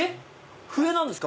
⁉笛なんですか？